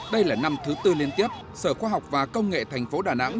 đây là năm thứ tư liên tiếp sở khoa học và công nghệ thành phố đà nẵng